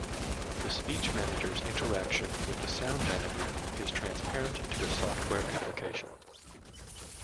The Speech Manager's interaction with the Sound Manager is transparent to a software application.